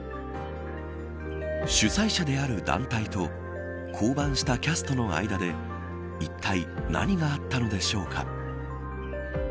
主催者である団体と降板したキャストの間でいったい何があったのでしょうか。